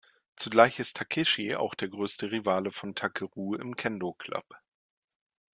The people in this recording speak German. Zugleich ist Takeshi auch der größte Rivale von Takeru im Kendō-Club.